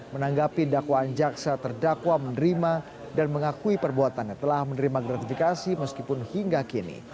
menanggapi dakwaan jaksa terdakwa menerima dan mengakui perbuatannya telah menerima gratifikasi meskipun hingga kini